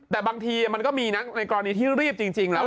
แต่บางทีมันก็มีนะในกรณีที่รีบจริงแล้ว